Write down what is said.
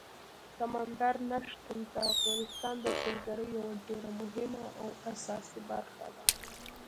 سمندر نه شتون د افغانستان د سیلګرۍ یوه ډېره مهمه او اساسي برخه ده.